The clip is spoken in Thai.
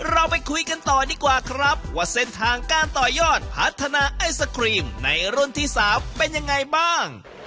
เราไปคุยกันต่อดีกว่าครับว่าเส้นทางการต่อยอดพัฒนาไอศครีมในรุ่นที่๓เป็นยังไงบ้าง